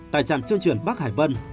tại trạm trung chuyển bắc hải vân